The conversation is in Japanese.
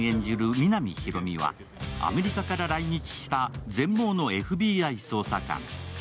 皆実広見はアメリカから来日した全盲のＦＢＩ捜査官。